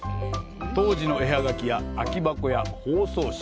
当時の絵はがきや空箱や包装紙。